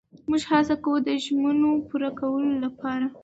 موږ هڅه کوو د ژمنو پوره کولو لپاره.